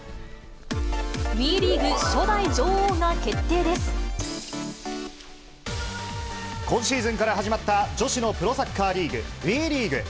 ＷＥリーグ初代女王が決定で今シーズンから始まった女子のプロサッカーリーグ、ＷＥリーグ。